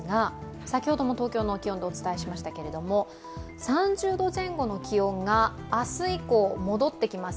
先ほども東京の気温でお伝えしましたけれども３０度前後の気温が明日以降、戻ってきます。